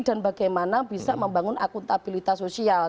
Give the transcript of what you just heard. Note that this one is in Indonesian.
dan bagaimana bisa membangun akuntabilitas sosial